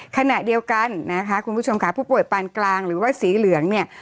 ขณะเดียวกันนะคะคุณผู้ชมค่ะผู้ป่วยปานกลางหรือว่าสีเหลืองเนี่ย